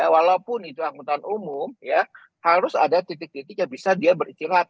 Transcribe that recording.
walaupun itu angkutan umum ya harus ada titik titik yang bisa dia beristirahat